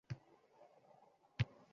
“Sen onam bor uchun guzalsan Hayot!”